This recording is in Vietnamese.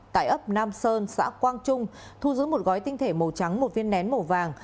tại ấp nam sơn xã quang trung thu giữ một gói tinh thể màu trắng một viên nén màu vàng